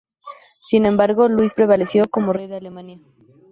Sin embargo, Luis prevaleció como rey de Alemania.